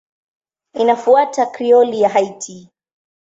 Inafuata Krioli ya Haiti.